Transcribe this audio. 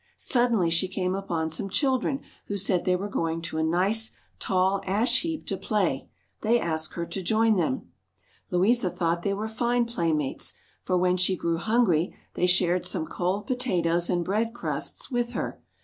Suddenly she came upon some children who said they were going to a nice, tall ash heap to play. They asked her to join them. Louisa thought they were fine playmates, for when she grew hungry they shared some cold potatoes and bread crusts with her.